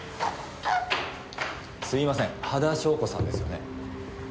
すいません羽田祥子さんですよね？